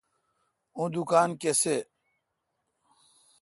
اوں دکان کسے°